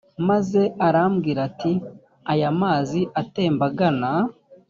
maze arambwira ati aya mazi atemba agana